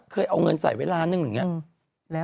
เคยเอาเงินใส่เวลานึงอย่างนี้